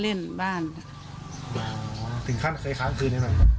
ถึงขั้นเคยค้างคืนนี้ไหม